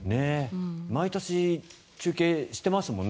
毎年、中継してますもんね